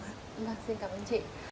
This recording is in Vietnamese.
vâng xin cảm ơn chị